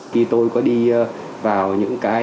khi tôi có đi vào những cái